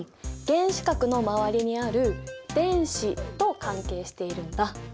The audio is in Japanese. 原子核の周りにある電子と関係しているんだ。